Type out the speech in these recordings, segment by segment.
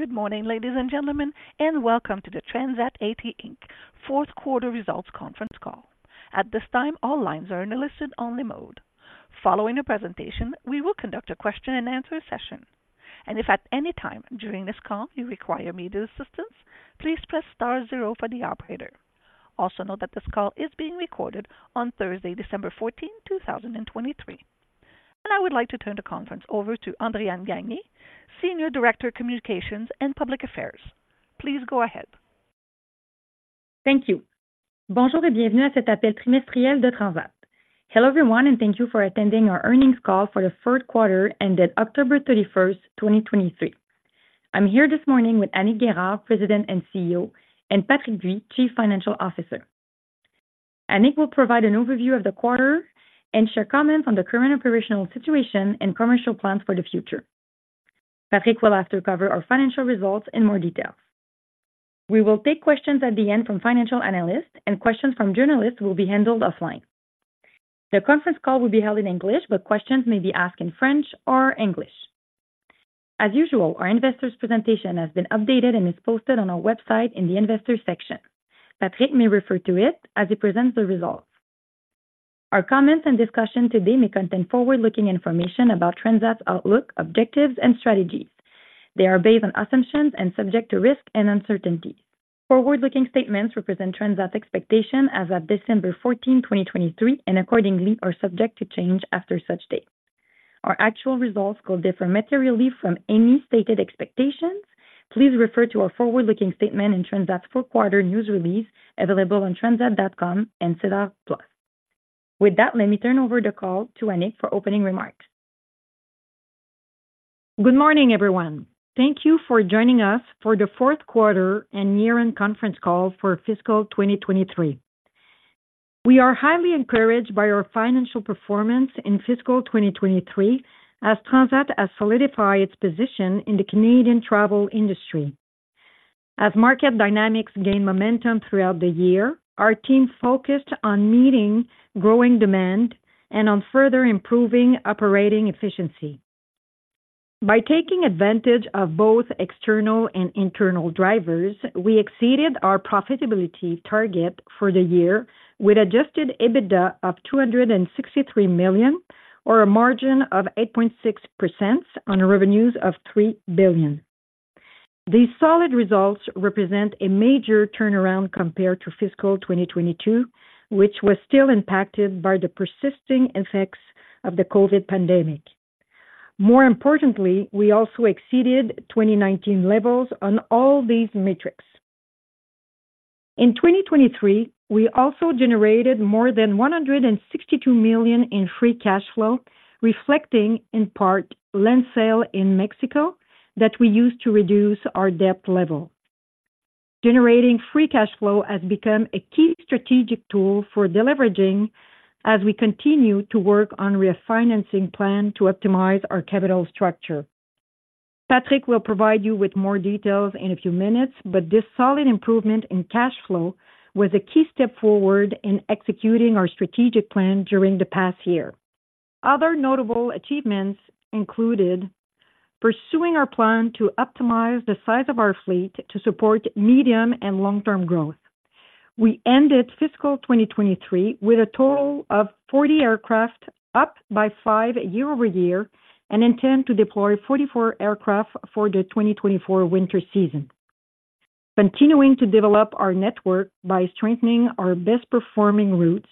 Good morning, ladies and gentlemen, and welcome to the Transat A.T. Inc. fourth quarter results conference call. At this time, all lines are in a listen-only mode. Following the presentation, we will conduct a question-and-answer session. If at any time during this call you require immediate assistance, please press star zero for the operator. Also, note that this call is being recorded on Thursday, December 14, 2023. I would like to turn the conference over to Andréan Gagné, Senior Director, Communications and Public Affairs. Please go ahead. Thank you. Bonjour, et bienvenue à cet appel trimestriel de Transat. Hello, everyone, and thank you for attending our earnings call for the third quarter ended October 31, 2023. I'm here this morning with Annick Guérard, President and CEO, and Patrick Bui, Chief Financial Officer. Annick will provide an overview of the quarter and share comments on the current operational situation and commercial plans for the future. Patrick will also cover our financial results in more detail. We will take questions at the end from financial analysts, and questions from journalists will be handled offline. The conference call will be held in English, but questions may be asked in French or English. As usual, our investors' presentation has been updated and is posted on our website in the Investors section. Patrick may refer to it as he presents the results. Our comments and discussion today may contain forward-looking information about Transat's outlook, objectives, and strategies. They are based on assumptions and subject to risk and uncertainty. Forward-looking statements represent Transat's expectation as of December 14, 2023, and accordingly, are subject to change after such date. Our actual results could differ materially from any stated expectations. Please refer to our forward-looking statement in Transat's fourth quarter news release, available on transat.com and SEDAR+. With that, let me turn over the call to Annick for opening remarks. Good morning, everyone. Thank you for joining us for the fourth quarter and year-end conference call for fiscal 2023. We are highly encouraged by our financial performance in fiscal 2023, as Transat has solidified its position in the Canadian travel industry. As market dynamics gained momentum throughout the year, our team focused on meeting growing demand and on further improving operating efficiency. By taking advantage of both external and internal drivers, we exceeded our profitability target for the year with adjusted EBITDA of 263 million, or a margin of 8.6% on revenues of 3 billion. These solid results represent a major turnaround compared to fiscal 2022, which was still impacted by the persisting effects of the COVID pandemic. More importantly, we also exceeded 2019 levels on all these metrics. In 2023, we also generated more than 162 million in free cash flow, reflecting, in part, land sale in Mexico that we used to reduce our debt level. Generating free cash flow has become a key strategic tool for deleveraging as we continue to work on refinancing plan to optimize our capital structure. Patrick will provide you with more details in a few minutes, but this solid improvement in cash flow was a key step forward in executing our strategic plan during the past year. Other notable achievements included: pursuing our plan to optimize the size of our fleet to support medium and long-term growth. We ended fiscal 2023 with a total of 40 aircraft, up by 5 year-over-year, and intend to deploy 44 aircraft for the 2024 winter season. Continuing to develop our network by strengthening our best-performing routes,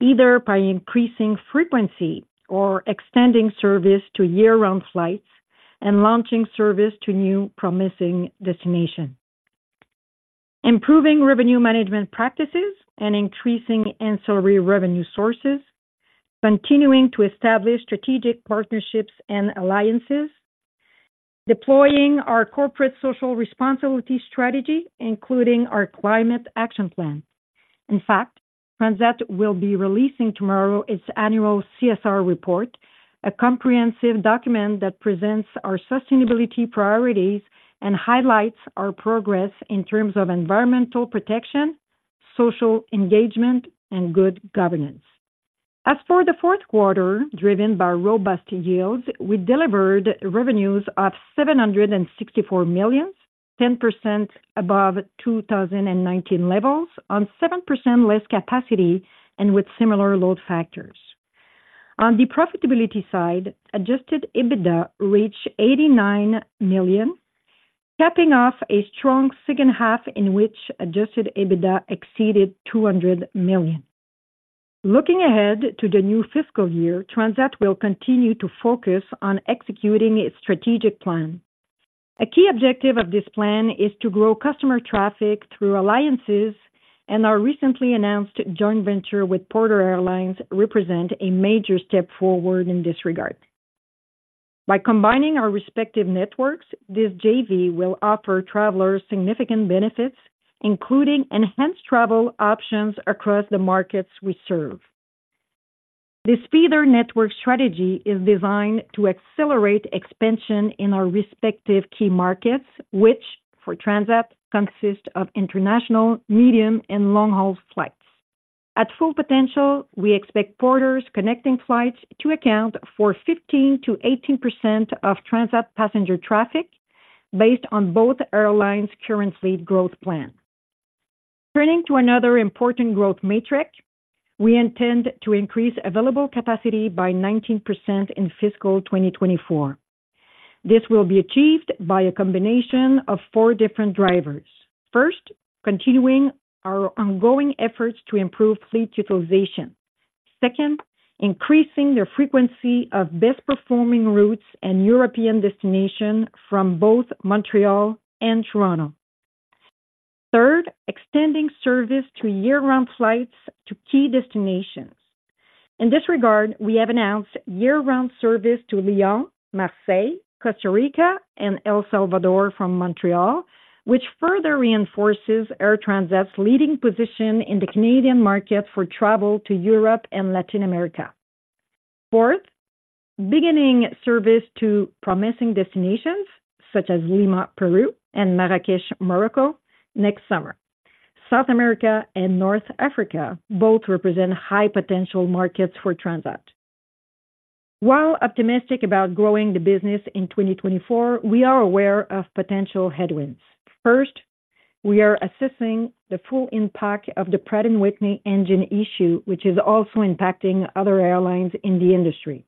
either by increasing frequency or extending service to year-round flights and launching service to new promising destinations. Improving revenue management practices and increasing ancillary revenue sources. Continuing to establish strategic partnerships and alliances. Deploying our corporate social responsibility strategy, including our climate action plan. In fact, Transat will be releasing tomorrow its annual CSR report, a comprehensive document that presents our sustainability priorities and highlights our progress in terms of environmental protection, social engagement, and good governance. As for the fourth quarter, driven by robust yields, we delivered revenues of 764 million, 10% above 2019 levels on 7% less capacity and with similar load factors. On the profitability side, Adjusted EBITDA reached 89 million, capping off a strong second half, in which Adjusted EBITDA exceeded 200 million. Looking ahead to the new fiscal year, Transat will continue to focus on executing its strategic plan. A key objective of this plan is to grow customer traffic through alliances, and our recently announced joint venture with Porter Airlines represent a major step forward in this regard. By combining our respective networks, this JV will offer travelers significant benefits, including enhanced travel options across the markets we serve. This feeder network strategy is designed to accelerate expansion in our respective key markets, which, for Transat, consist of international, medium, and long-haul flights. At full potential, we expect Porter's connecting flights to account for 15%-18% of Transat passenger traffic, based on both airlines' current fleet growth plan. Turning to another important growth metric, we intend to increase available capacity by 19% in fiscal 2024. This will be achieved by a combination of four different drivers. First, continuing our ongoing efforts to improve fleet utilization. Second, increasing the frequency of best-performing routes and European destination from both Montreal and Toronto. Third, extending service to year-round flights to key destinations. In this regard, we have announced year-round service to Lyon, Marseille, Costa Rica, and El Salvador from Montreal, which further reinforces Air Transat's leading position in the Canadian market for travel to Europe and Latin America. Fourth, beginning service to promising destinations such as Lima, Peru, and Marrakech, Morocco, next summer. South America and North Africa both represent high potential markets for Transat. While optimistic about growing the business in 2024, we are aware of potential headwinds. First, we are assessing the full impact of the Pratt & Whitney engine issue, which is also impacting other airlines in the industry.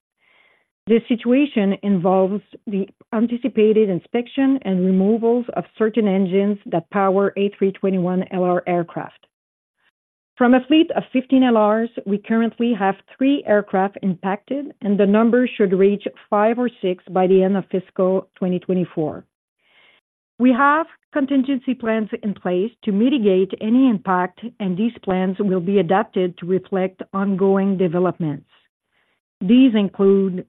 This situation involves the anticipated inspection and removals of certain engines that power A321LR aircraft. From a fleet of 15 LRs, we currently have three aircraft impacted, and the numbers should reach five or six by the end of fiscal 2024. We have contingency plans in place to mitigate any impact, and these plans will be adapted to reflect ongoing developments. These include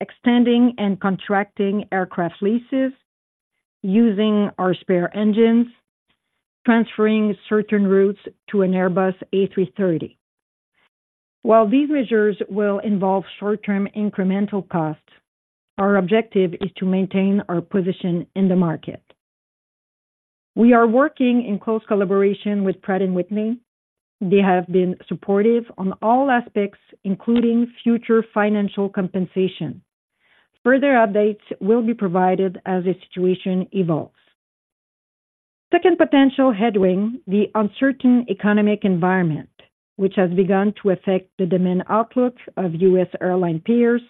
extending and contracting aircraft leases, using our spare engines, transferring certain routes to an Airbus A330. While these measures will involve short-term incremental costs, our objective is to maintain our position in the market. We are working in close collaboration with Pratt & Whitney. They have been supportive on all aspects, including future financial compensation. Further updates will be provided as the situation evolves. Second potential headwind, the uncertain economic environment, which has begun to affect the demand outlook of U.S. airline peers,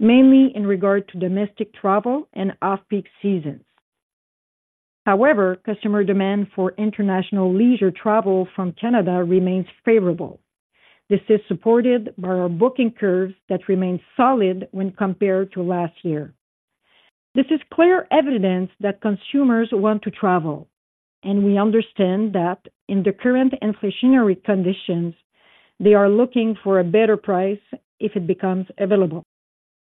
mainly in regard to domestic travel and off-peak seasons. However, customer demand for international leisure travel from Canada remains favorable. This is supported by our booking curves that remain solid when compared to last year. This is clear evidence that consumers want to travel, and we understand that in the current inflationary conditions, they are looking for a better price if it becomes available.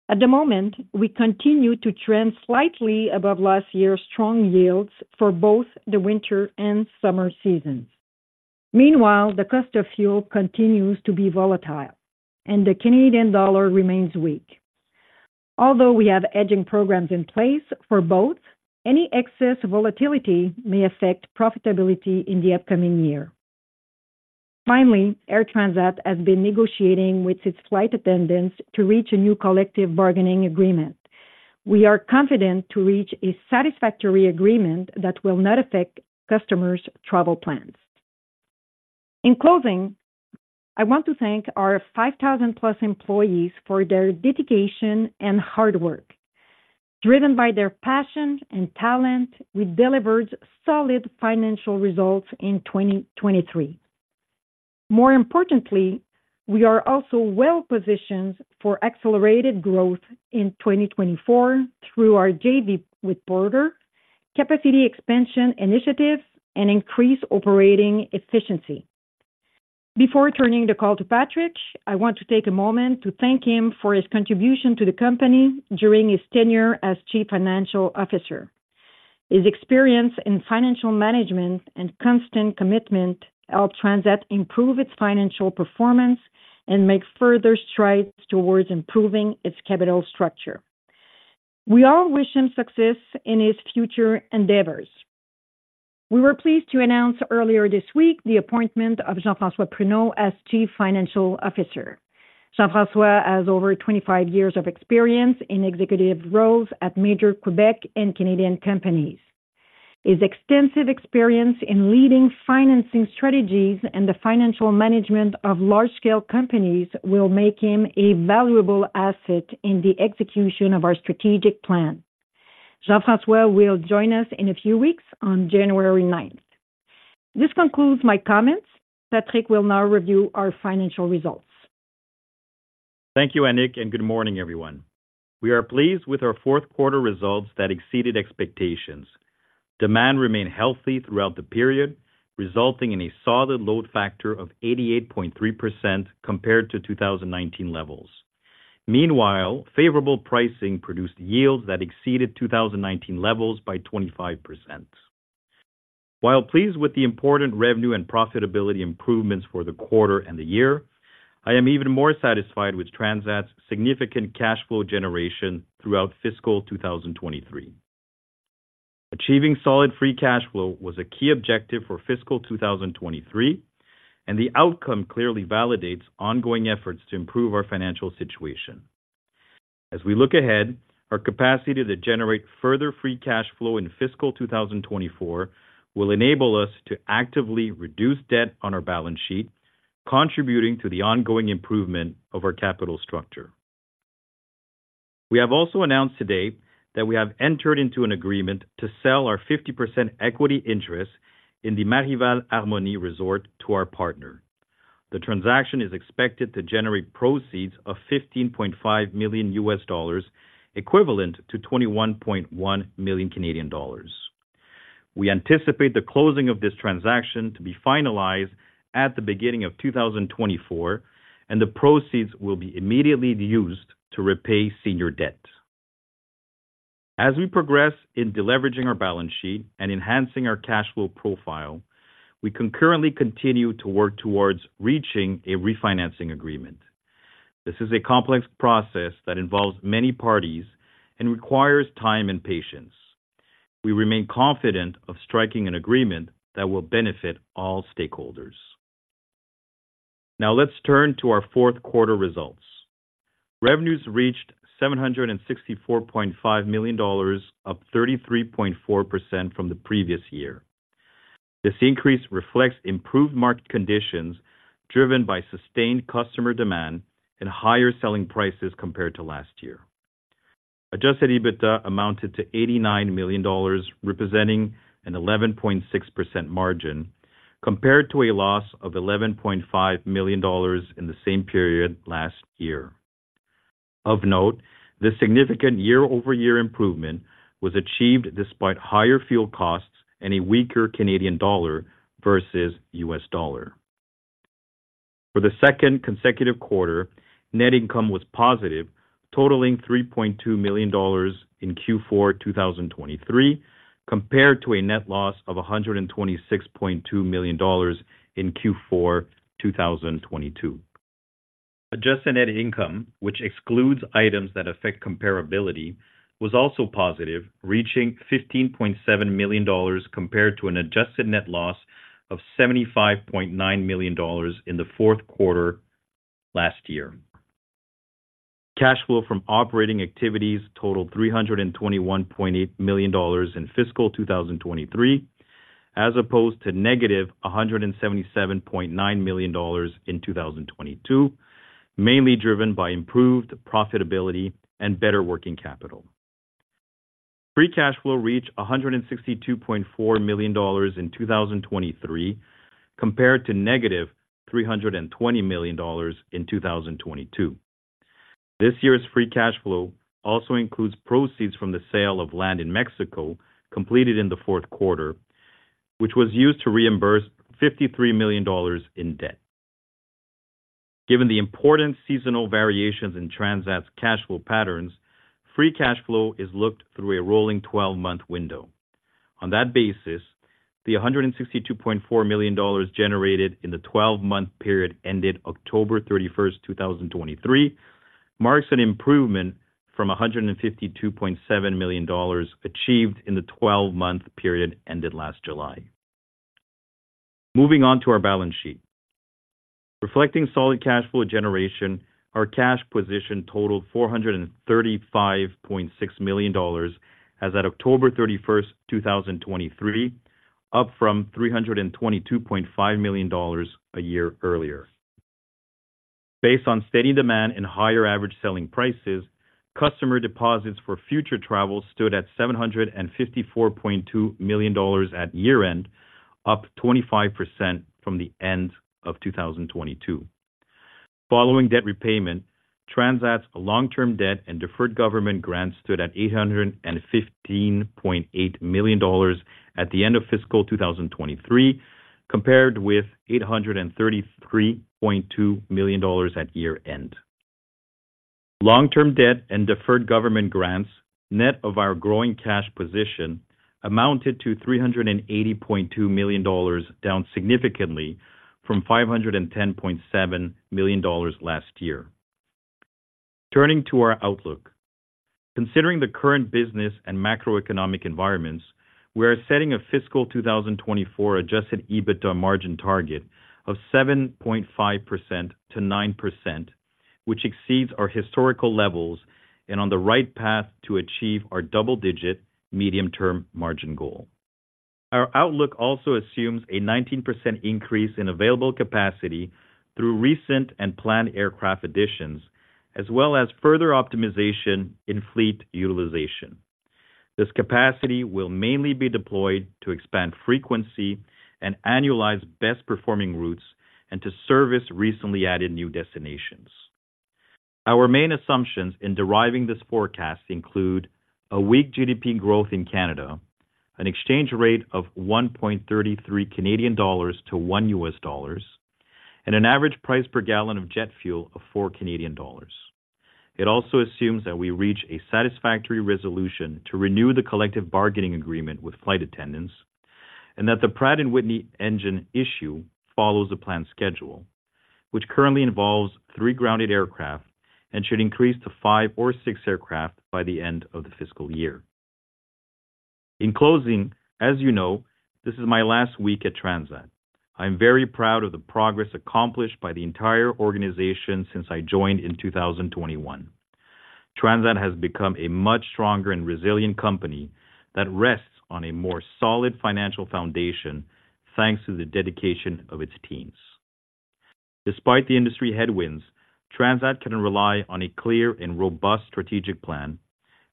At the moment, we continue to trend slightly above last year's strong yields for both the winter and summer seasons. Meanwhile, the cost of fuel continues to be volatile, and the Canadian dollar remains weak. Although we have hedging programs in place for both, any excess volatility may affect profitability in the upcoming year. Finally, Air Transat has been negotiating with its flight attendants to reach a new collective bargaining agreement. We are confident to reach a satisfactory agreement that will not affect customers' travel plans. In closing, I want to thank our 5,000+ employees for their dedication and hard work. Driven by their passion and talent, we delivered solid financial results in 2023. More importantly, we are also well positioned for accelerated growth in 2024 through our JV with Porter, capacity expansion initiatives, and increased operating efficiency. Before turning the call to Patrick, I want to take a moment to thank him for his contribution to the company during his tenure as Chief Financial Officer. His experience in financial management and constant commitment helped Transat improve its financial performance and make further strides towards improving its capital structure. We all wish him success in his future endeavors. We were pleased to announce earlier this week the appointment of Jean-François Pruneau as Chief Financial Officer. Jean-François has over 25 years of experience in executive roles at major Quebec and Canadian companies. His extensive experience in leading financing strategies and the financial management of large-scale companies will make him a valuable asset in the execution of our strategic plan. Jean-François will join us in a few weeks, on January ninth. This concludes my comments. Patrick will now review our financial results. Thank you, Annick, and good morning, everyone. We are pleased with our fourth quarter results that exceeded expectations. Demand remained healthy throughout the period, resulting in a solid load factor of 88.3% compared to 2019 levels. Meanwhile, favorable pricing produced yields that exceeded 2019 levels by 25%. While pleased with the important revenue and profitability improvements for the quarter and the year, I am even more satisfied with Transat's significant cash flow generation throughout fiscal 2023. Achieving solid free cash flow was a key objective for fiscal 2023, and the outcome clearly validates ongoing efforts to improve our financial situation. As we look ahead, our capacity to generate further free cash flow in fiscal 2024 will enable us to actively reduce debt on our balance sheet, contributing to the ongoing improvement of our capital structure. We have also announced today that we have entered into an agreement to sell our 50% equity interest in the Marival Armony Resort to our partner. The transaction is expected to generate proceeds of $15.5 million, equivalent to 21.1 million Canadian dollars. We anticipate the closing of this transaction to be finalized at the beginning of 2024, and the proceeds will be immediately used to repay senior debt. As we progress in deleveraging our balance sheet and enhancing our cash flow profile, we concurrently continue to work towards reaching a refinancing agreement. This is a complex process that involves many parties and requires time and patience. We remain confident of striking an agreement that will benefit all stakeholders. Now, let's turn to our fourth quarter results. Revenues reached 764.5 million dollars, up 33.4% from the previous year. This increase reflects improved market conditions, driven by sustained customer demand and higher selling prices compared to last year. Adjusted EBITDA amounted to 89 million dollars, representing an 11.6% margin, compared to a loss of 11.5 million dollars in the same period last year. Of note, this significant year-over-year improvement was achieved despite higher fuel costs and a weaker Canadian dollar versus U.S. dollar. For the second consecutive quarter, net income was positive, totaling 3.2 million dollars in Q4 2023, compared to a net loss of 126.2 million dollars in Q4 2022. Adjusted net income, which excludes items that affect comparability, was also positive, reaching 15.7 million dollars, compared to an adjusted net loss of 75.9 million dollars in the fourth quarter last year. Cash flow from operating activities totaled 321.8 million dollars in fiscal 2023, as opposed to -$177.9 million in 2022, mainly driven by improved profitability and better working capital. Free cash flow reached 162.4 million dollars in 2023, compared to -320 million dollars in 2022. This year's free cash flow also includes proceeds from the sale of land in Mexico, completed in the fourth quarter, which was used to reimburse 53 million dollars in debt. Given the important seasonal variations in Transat's cash flow patterns, free cash flow is looked through a rolling twelve-month window. On that basis, the 162.4 million dollars generated in the twelve-month period ended October 31, 2023, marks an improvement from 152.7 million dollars achieved in the twelve-month period ended last July. Moving on to our balance sheet. Reflecting solid cash flow generation, our cash position totaled 435.6 million dollars as at October 31st, 2023, up from 322.5 million dollars a year earlier. Based on steady demand and higher average selling prices, customer deposits for future travel stood at 754.2 million dollars at year-end, up 25% from the end of 2022. Following debt repayment, Transat's long-term debt and deferred government grants stood at 815.8 million dollars at the end of fiscal 2023, compared with 833.2 million dollars at year-end. Long-term debt and deferred government grants, net of our growing cash position, amounted to 380.2 million dollars, down significantly from 510.7 million dollars last year. Turning to our outlook. Considering the current business and macroeconomic environments, we are setting a fiscal 2024 Adjusted EBITDA margin target of 7.5%-9%, which exceeds our historical levels and on the right path to achieve our double-digit medium-term margin goal. Our outlook also assumes a 19% increase in available capacity through recent and planned aircraft additions, as well as further optimization in fleet utilization. This capacity will mainly be deployed to expand frequency and annualize best-performing routes, and to service recently added new destinations. Our main assumptions in deriving this forecast include: a weak GDP growth in Canada, an exchange rate of 1.33 Canadian dollars to 1 US dollars, and an average price per gallon of jet fuel of 4 Canadian dollars. It also assumes that we reach a satisfactory resolution to renew the collective bargaining agreement with flight attendants and that the Pratt & Whitney engine issue follows the planned schedule, which currently involves 3 grounded aircraft and should increase to 5 or 6 aircraft by the end of the fiscal year. In closing, as you know, this is my last week at Transat. I'm very proud of the progress accomplished by the entire organization since I joined in 2021. Transat has become a much stronger and resilient company that rests on a more solid financial foundation, thanks to the dedication of its teams. Despite the industry headwinds, Transat can rely on a clear and robust strategic plan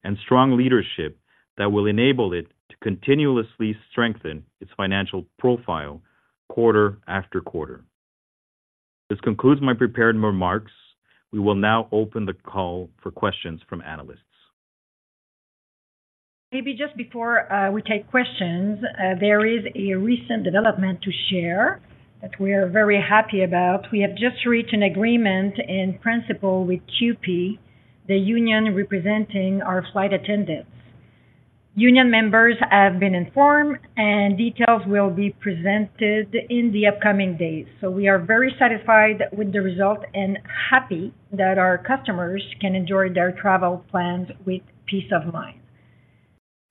and strong leadership that will enable it to continuously strengthen its financial profile quarter after quarter. This concludes my prepared remarks. We will now open the call for questions from analysts. Maybe just before we take questions, there is a recent development to share that we are very happy about. We have just reached an agreement in principle with CUPE, the union representing our flight attendants. Union members have been informed, and details will be presented in the upcoming days. So we are very satisfied with the result and happy that our customers can enjoy their travel plans with peace of mind.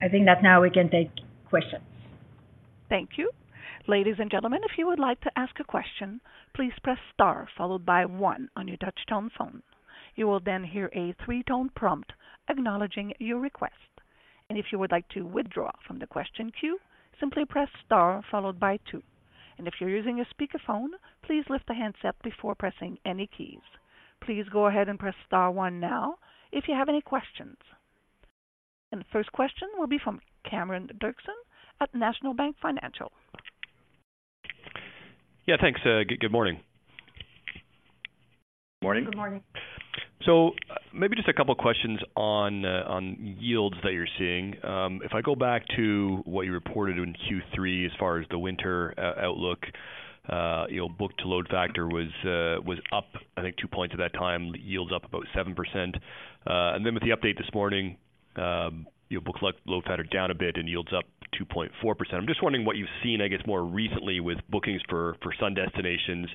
I think that now we can take questions. Thank you. Ladies and gentlemen, if you would like to ask a question, please press star followed by one on your touchtone phone. You will then hear a three-tone prompt acknowledging your request, and if you would like to withdraw from the question queue, simply press star followed by two. And if you're using a speakerphone, please lift the handset before pressing any keys. Please go ahead and press star one now, if you have any questions. And the first question will be from Cameron Doerksen at National Bank Financial. Yeah, thanks. Good morning. Morning. Good morning. So maybe just a couple of questions on yields that you're seeing. If I go back to what you reported in Q3, as far as the winter outlook, you know, book to load factor was up, I think, 2 points at that time, yields up about 7%. And then with the update this morning, you know, book load factor down a bit and yields up 2.4%. I'm just wondering what you've seen, I guess, more recently with bookings for sun destinations.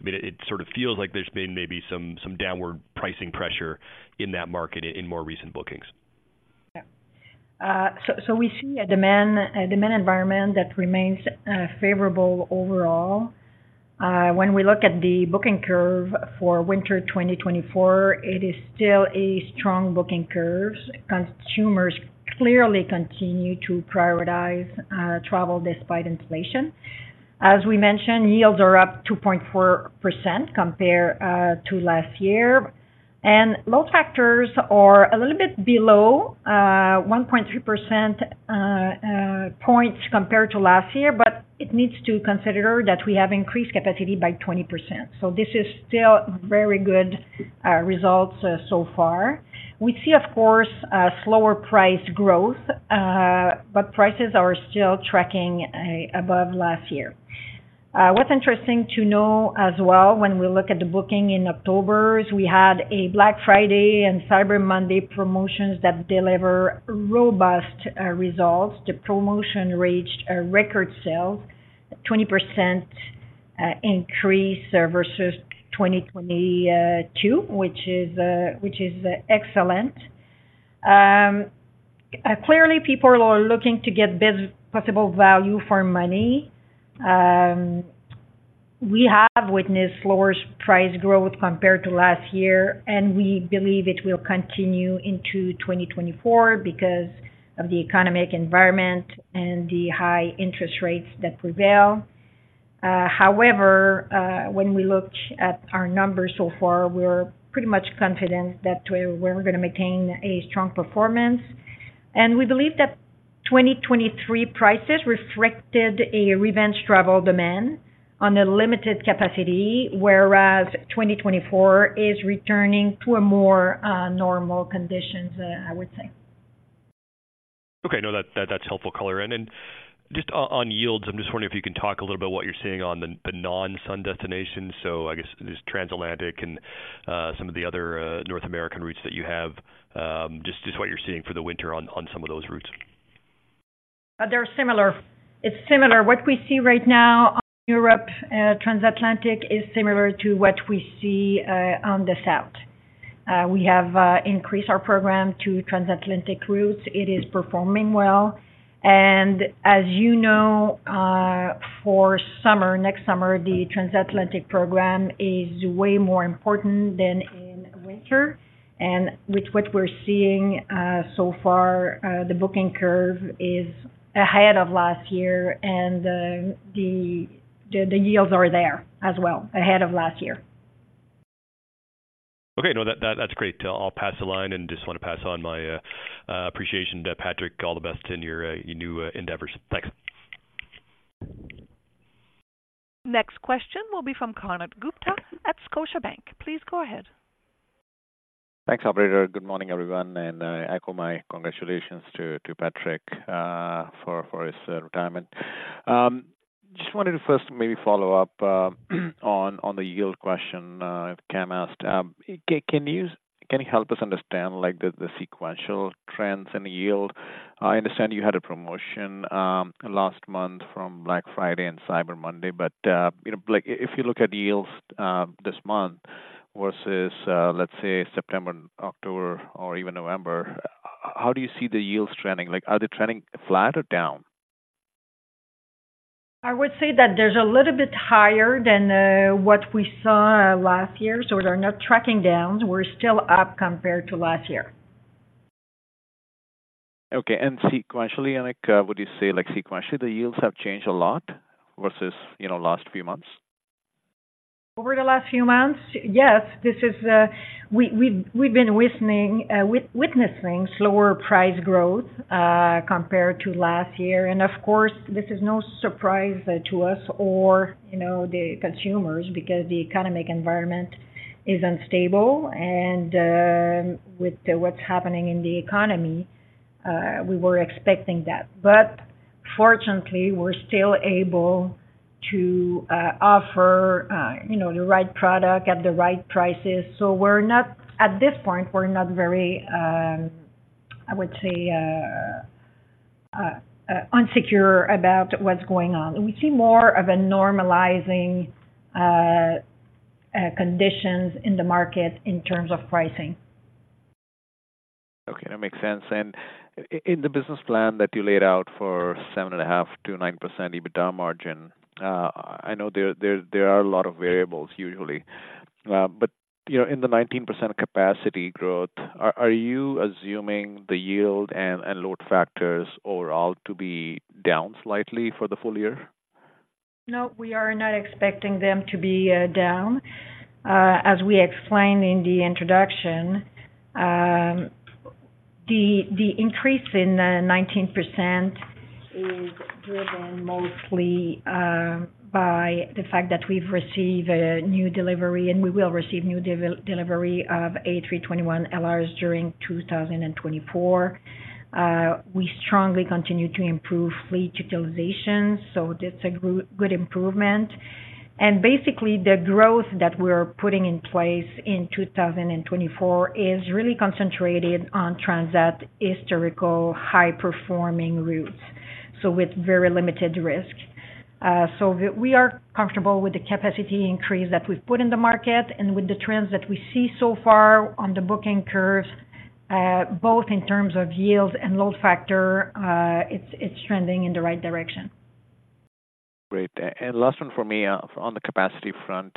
I mean, it sort of feels like there's been maybe some downward pricing pressure in that market in more recent bookings. Yeah. So we see a demand environment that remains favorable overall. When we look at the booking curve for winter 2024, it is still a strong booking curve. Consumers clearly continue to prioritize travel despite inflation. As we mentioned, yields are up 2.4% compared to last year, and load factors are a little bit below 1.3 percentage points compared to last year, but it needs to consider that we have increased capacity by 20%. So this is still very good results so far. We see, of course, a slower price growth, but prices are still tracking above last year. What's interesting to know as well, when we look at the booking in October, is we had a Black Friday and Cyber Monday promotions that deliver robust results. The promotion reached a record sales, 20% increase versus 2022, which is, which is excellent. Clearly, people are looking to get the best possible value for money. We have witnessed slower price growth compared to last year, and we believe it will continue into 2024 because of the economic environment and the high interest rates that prevail. However, when we look at our numbers so far, we're pretty much confident that we're, we're gonna maintain a strong performance. We believe that 2023 prices reflected a revenge travel demand on a limited capacity, whereas 2024 is returning to a more normal conditions, I would say. Okay. No, that, that's helpful color. And then just on yields, I'm just wondering if you can talk a little about what you're seeing on the non-sun destinations. So I guess this transatlantic and some of the other North American routes that you have, just what you're seeing for the winter on some of those routes. They're similar. It's similar. What we see right now on Europe, transatlantic, is similar to what we see on the south. We have increased our program to transatlantic routes. It is performing well. And as you know, for summer, next summer, the transatlantic program is way more important than in winter. And with what we're seeing so far, the booking curve is ahead of last year, and the yields are there as well, ahead of last year. Okay. No, that, that's great. I'll pass the line and just want to pass on my appreciation to Patrick. All the best in your new endeavors. Thanks. Next question will be from Konark Gupta at Scotiabank. Please go ahead. Thanks, operator. Good morning, everyone, and I echo my congratulations to Patrick for his retirement. I just wanted to first maybe follow up on the yield question Cam asked. Can you help us understand, like, the sequential trends in yield? I understand you had a promotion last month from Black Friday and Cyber Monday, but you know, like, if you look at yields this month versus let's say September, October, or even November, how do you see the yields trending? Like, are they trending flat or down? I would say that there's a little bit higher than what we saw last year. So we are not tracking down. We're still up compared to last year. Okay. Sequentially, like, would you say, like, sequentially, the yields have changed a lot versus, you know, last few months? Over the last few months, yes, this is, we, we've been witnessing slower price growth, compared to last year. And of course, this is no surprise, to us or, you know, the consumers, because the economic environment is unstable and, with the what's happening in the economy, we were expecting that. But fortunately, we're still able to, offer, you know, the right product at the right prices. So we're not, at this point, we're not very, I would say, unsecure about what's going on. We see more of a normalizing, conditions in the market in terms of pricing. Okay, that makes sense. And in the business plan that you laid out for 7.5%-9% EBITDA margin, I know there are a lot of variables usually, but, you know, in the 19% capacity growth, are you assuming the yield and load factors overall to be down slightly for the full year? No, we are not expecting them to be down. As we explained in the introduction, the increase in 19% is driven mostly by the fact that we've received a new delivery, and we will receive new delivery of A321LRs during 2024. We strongly continue to improve fleet utilization, so that's a good improvement. And basically, the growth that we're putting in place in 2024 is really concentrated on Transat's historical high-performing routes, so with very limited risk. So we are comfortable with the capacity increase that we've put in the market and with the trends that we see so far on the booking curves, both in terms of yields and load factor, it's trending in the right direction. Great. And last one for me, on the capacity front.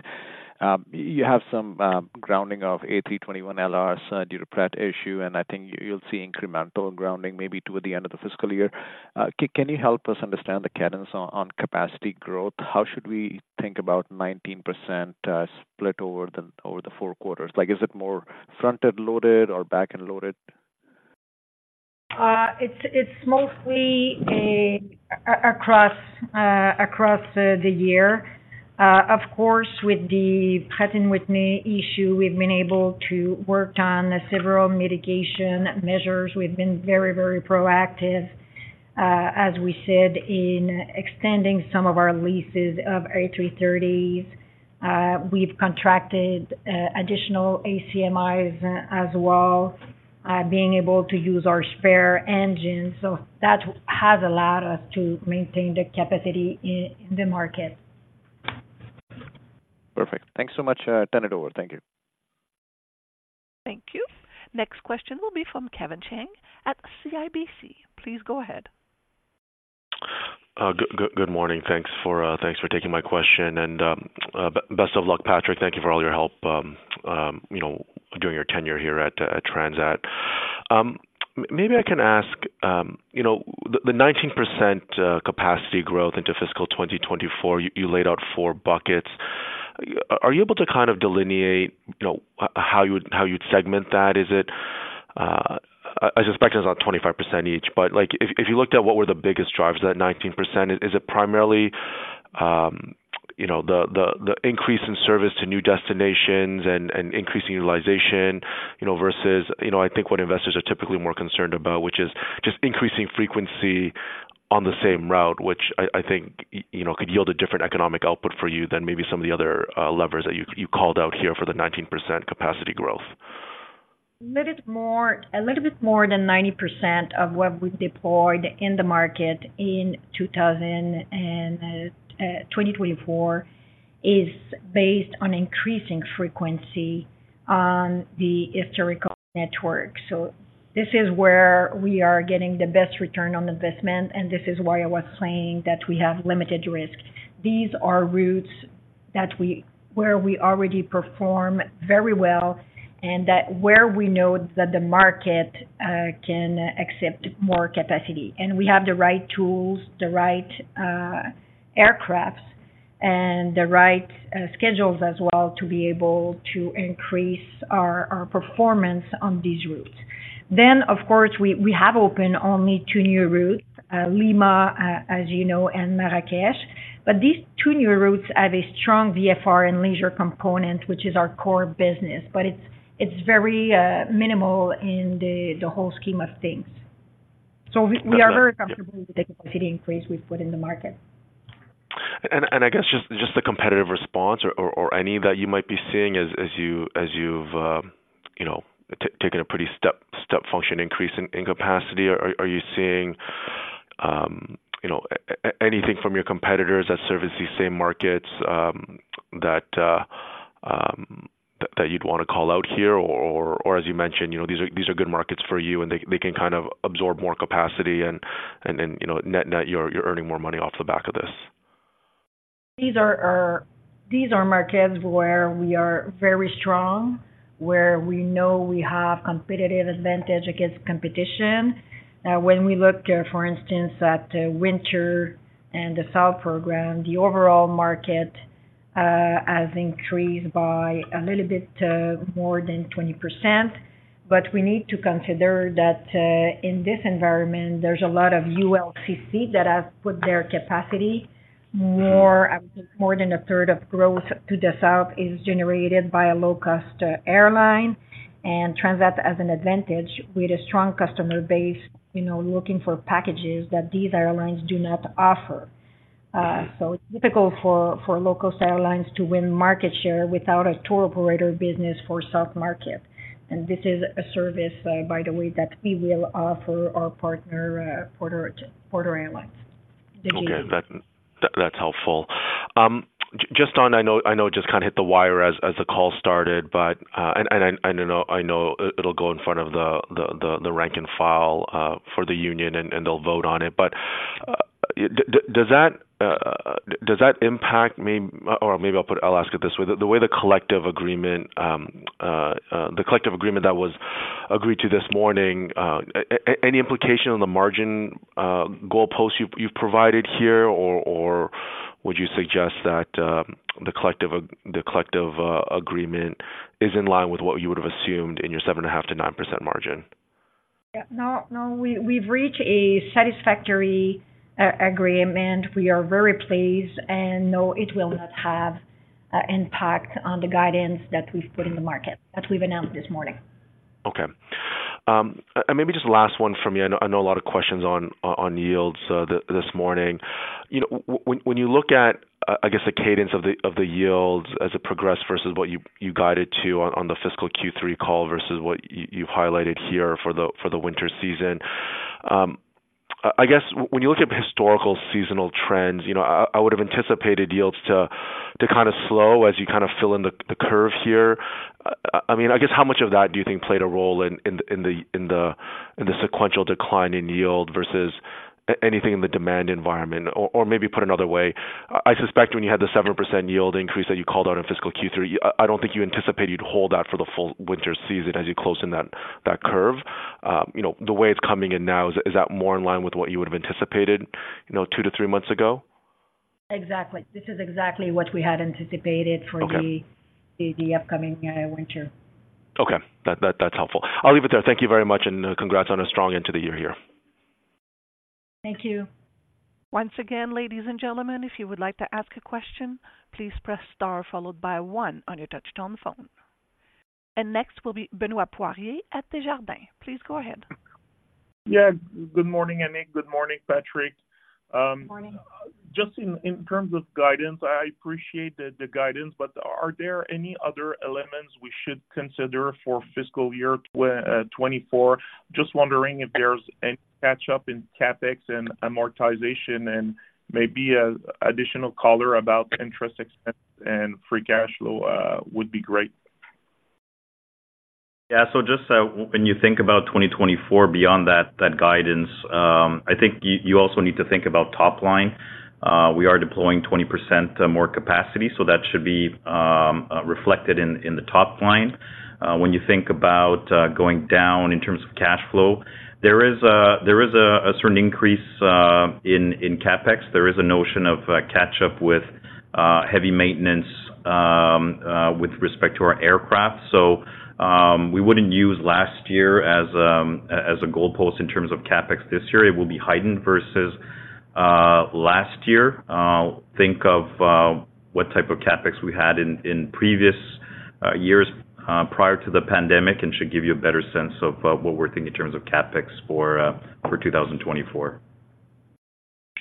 You have some grounding of A321LRs due to Pratt issue, and I think you'll see incremental grounding maybe toward the end of the fiscal year. Can you help us understand the cadence on capacity growth? How should we think about 19%, split over the four quarters? Like, is it more front-end loaded or back-end loaded? It's mostly across the year. Of course, with the Pratt & Whitney issue, we've been able to work on several mitigation measures. We've been very, very proactive, as we said, in extending some of our leases of A330s. We've contracted additional ACMIs as well, being able to use our spare engines. So that has allowed us to maintain the capacity in the market. Perfect. Thanks so much. Turn it over. Thank you. Thank you. Next question will be from Kevin Chiang at CIBC. Please go ahead. Good morning. Thanks for taking my question. And best of luck, Patrick. Thank you for all your help, you know, during your tenure here at Transat. Maybe I can ask, you know, the 19% capacity growth into fiscal 2024, you laid out four buckets. Are you able to kind of delineate, you know, how you would, how you'd segment that? Is it... I suspect it's about 25% each, but, like, if you looked at what were the biggest drivers, that 19%, is it primarily, you know, the increase in service to new destinations and increasing utilization, you know, versus, you know, I think what investors are typically more concerned about, which is just increasing frequency on the same route, which I think, you know, could yield a different economic output for you than maybe some of the other levers that you called out here for the 19% capacity growth. A little more, a little bit more than 90% of what we've deployed in the market in 2024 is based on increasing frequency on the historical network. So this is where we are getting the best return on investment, and this is why I was saying that we have limited risk. These are routes that where we already perform very well and that where we know that the market can accept more capacity. And we have the right tools, the right aircrafts and the right schedules as well to be able to increase our performance on these routes. Then, of course, we have opened only two new routes, Lima, as you know, and Marrakech, but these two new routes have a strong VFR and leisure component, which is our core business, but it's very minimal in the whole scheme of things. So we are very comfortable with the capacity increase we've put in the market. I guess just the competitive response or any that you might be seeing as you've you know taken a pretty step function increase in capacity. Are you seeing you know anything from your competitors that service these same markets that you'd want to call out here? Or as you mentioned, you know, these are good markets for you, and they can kind of absorb more capacity and you know net you're earning more money off the back of this. These are markets where we are very strong, where we know we have competitive advantage against competition. When we look, for instance, at winter and the south program, the overall market has increased by a little bit more than 20%. But we need to consider that in this environment, there's a lot of ULCC that have put their capacity. I think more than a third of growth to the south is generated by a low-cost airline, and Transat has an advantage with a strong customer base, you know, looking for packages that these airlines do not offer. So it's difficult for low-cost airlines to win market share without a tour operator business for south market. And this is a service, by the way, that we will offer our partner, Porter Airlines. Okay, that's helpful. Just on... I know it just kind of hit the wire as the call started, but I know it'll go in front of the rank and file for the union, and they'll vote on it. But does that impact, or maybe I'll ask it this way: the way the collective agreement that was agreed to this morning, any implication on the margin goalposts you've provided here? Or would you suggest that the collective agreement is in line with what you would have assumed in your 7.5%-9% margin? Yeah. No, no, we've reached a satisfactory agreement. We are very pleased and no, it will not have impact on the guidance that we've put in the market, that we've announced this morning. Okay. And maybe just last one from me. I know, I know a lot of questions on, on yields, this morning. You know, when, when you look at, I, I guess the cadence of the, of the yields as it progressed versus what you, you guided to on, on the fiscal Q3 call versus what you've highlighted here for the, for the winter season. I, I guess when you look at historical seasonal trends, you know, I, I would have anticipated yields to, to kind of slow as you kind of fill in the, the curve here. I, I mean, I guess how much of that do you think played a role in, in the, in the, in the sequential decline in yield versus anything in the demand environment? Or maybe put another way, I suspect when you had the 7% yield increase that you called out in fiscal Q3, I don't think you anticipated you'd hold that for the full winter season as you closed in that curve. You know, the way it's coming in now, is that more in line with what you would have anticipated, you know, two to three months ago? Exactly. This is exactly what we had anticipated- Okay. for the upcoming winter. Okay. That's helpful. I'll leave it there. Thank you very much, and congrats on a strong end to the year here. Thank you. Once again, ladies and gentlemen, if you would like to ask a question, please press star followed by one on your touchtone phone. Next will be Benoit Poirier at Desjardins. Please go ahead. Yeah. Good morning, Annick. Good morning, Patrick. Good morning. Just in terms of guidance, I appreciate the guidance, but are there any other elements we should consider for fiscal year 2024? Just wondering if there's any catch-up in CapEx and amortization and maybe a additional color about interest expense and free cash flow, would be great. Yeah. So just, when you think about 2024 beyond that, that guidance, I think you, you also need to think about top line. We are deploying 20%, more capacity, so that should be, reflected in, in the top line. When you think about, going down in terms of cash flow, there is a, there is a, a certain increase, in, in CapEx. There is a notion of, catch-up with, heavy maintenance, with respect to our aircraft. So, we wouldn't use last year as, as a goalpost in terms of CapEx this year. It will be heightened versus, last year. Think of what type of CapEx we had in previous years prior to the pandemic, and should give you a better sense of what we're thinking in terms of CapEx for 2024.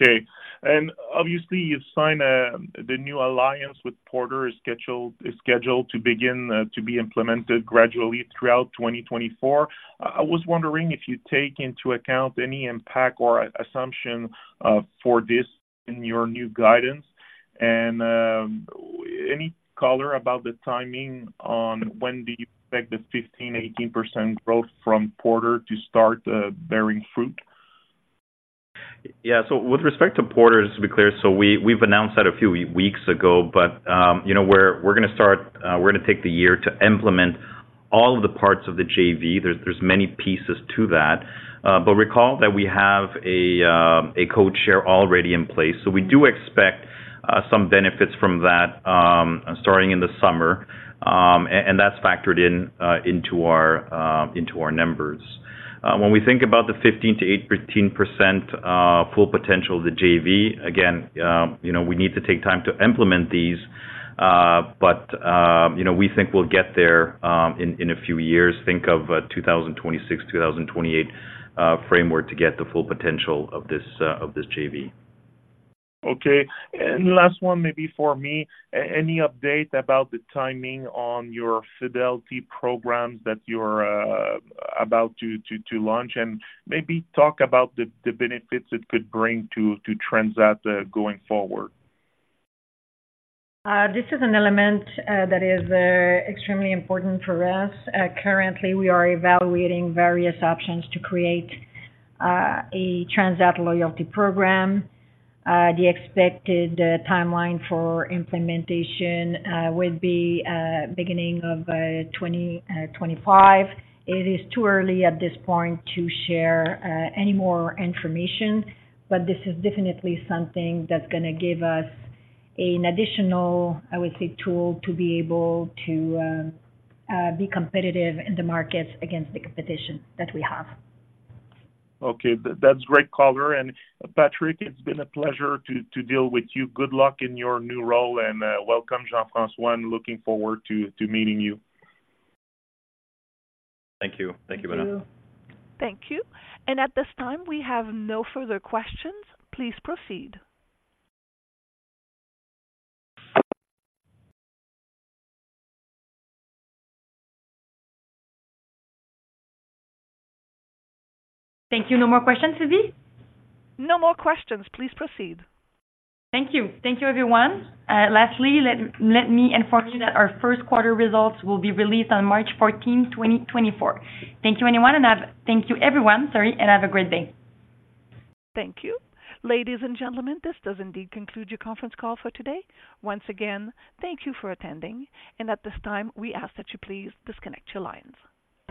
Okay. And obviously, you've signed the new alliance with Porter is scheduled to begin to be implemented gradually throughout 2024. I was wondering if you take into account any impact or assumption for this in your new guidance, and any color about the timing on when do you expect the 15%-18% growth from Porter to start bearing fruit? Yeah. So with respect to Porter, just to be clear, so we've announced that a few weeks ago, but, you know, we're gonna start, we're gonna take the year to implement all of the parts of the JV. There's many pieces to that. But recall that we have a codeshare already in place. So we do expect some benefits from that, starting in the summer, and that's factored in, into our numbers. When we think about the 15%-18% full potential of the JV, again, you know, we need to take time to implement these. But, you know, we think we'll get there, in a few years. Think of 2026, 2028 framework to get the full potential of this, of this JV. Okay. And last one, maybe for me. Any update about the timing on your fidelity programs that you're about to launch? And maybe talk about the benefits it could bring to Transat going forward. This is an element that is extremely important for us. Currently, we are evaluating various options to create a Transat loyalty program. The expected timeline for implementation would be beginning of 2025. It is too early at this point to share any more information, but this is definitely something that's gonna give us an additional, I would say, tool to be able to be competitive in the markets against the competition that we have. Okay. That's great color. And Patrick, it's been a pleasure to, to deal with you. Good luck in your new role, and welcome, Jean-François. I'm looking forward to, to meeting you. Thank you. Thank you very much. Thank you. Thank you. At this time, we have no further questions. Please proceed. Thank you. No more questions, Sylvie? No more questions. Please proceed. Thank you. Thank you, everyone. Lastly, let me inform you that our first quarter results will be released on March fourteenth, 2024. Thank you, anyone, and have... Thank you, everyone, sorry, and have a great day. Thank you. Ladies and gentlemen, this does indeed conclude your conference call for today. Once again, thank you for attending, and at this time, we ask that you please disconnect your lines.